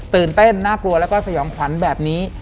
ตื่นเต้นน่ากลัวแล้วก็สยองขวัญแบบนี้